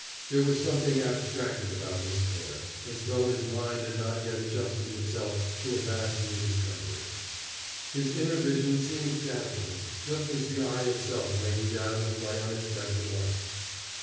There was something abstracted about his stare, as though his mind had not yet adjusted itself to a vast new discovery. His inner vision seemed dazzled, just as the eye itself may be dazzled by unexpected light.